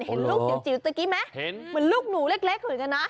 เห็นลูกเจ๋วเดี๋ยวตะกี้มั้ยมันลูกหนูเล็กเหมือนกันนะ